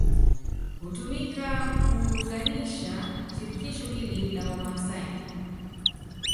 Htumika kuunganisha shirikisho hili la Wamaasai